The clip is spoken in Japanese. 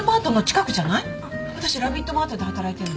私ラビットマートで働いてるの。